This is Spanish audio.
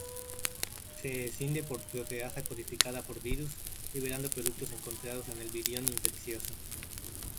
Se escinde por proteasa codificada por virus, liberando productos encontrados en el virión infeccioso.